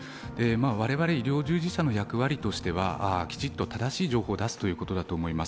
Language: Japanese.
我々医療従事者の役割としてはきちっと正しい情報を出すということだと思います。